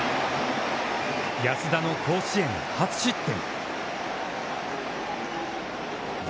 安田の甲子園初失点。